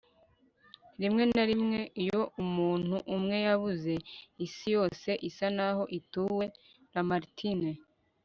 rimwe na rimwe, iyo umuntu umwe yabuze, isi yose isa naho ituwe - lamartine